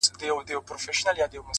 ناکامي د پوهې پټه ښوونکې ده،